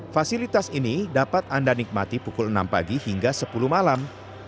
fasilitas ini dapat anda nikmati pukul enam pagi hingga sepuluh malam